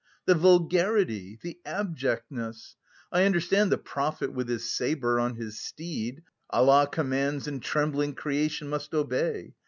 The vulgarity! The abjectness! I understand the 'prophet' with his sabre, on his steed: Allah commands and 'trembling' creation must obey!